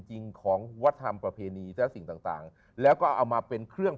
จริงของวัฒนธรรมประเพณีและสิ่งต่างแล้วก็เอามาเป็นเครื่อง